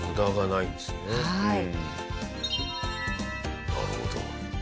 なるほど。